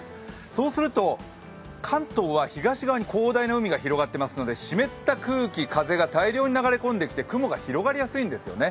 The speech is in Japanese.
そうすると、関東は東側に広大な海が広がっているので湿った空気、風が大量に流れ込んできて雲が広がりやすいんですよね